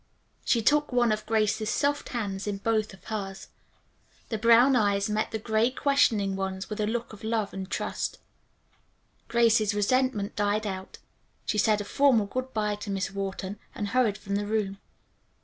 She took one of Grace's soft hands in both of hers. The brown eyes met the gray questioning ones with a look of love and trust. Grace's resentment died out. She said a formal good bye to Miss Wharton and hurried from the room.